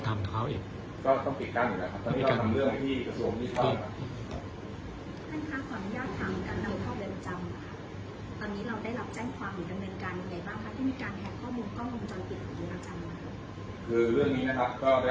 ทำเขาอีกก็ต้องหน้าของ